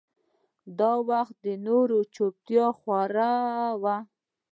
دا وخت نو چوپتيا خوره وه.